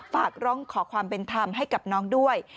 ฝากร้องขอความเป็นธรรมให้กับน้องด้วย